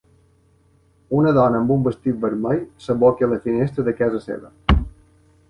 Una dona amb un vestit vermell s'aboca a la finestra de casa seva.